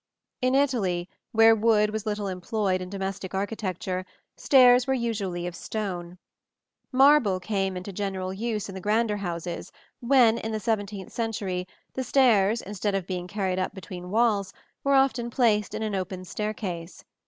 In Italy, where wood was little employed in domestic architecture, stairs were usually of stone. Marble came into general use in the grander houses when, in the seventeenth century, the stairs, instead of being carried up between walls, were often placed in an open staircase.